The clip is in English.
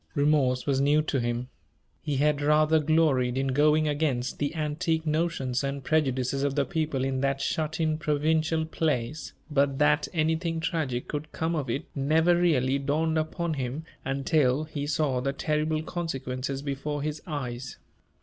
Remorse was new to him. He had rather gloried in going against the antique notions and prejudices of the people in that shut in, provincial place; but that anything tragic could come of it never really dawned upon him until he saw the terrible consequences before his eyes.